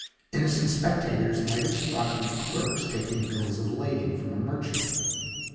Innocent spectators might have thought them clerks taking bills of lading from a merchant.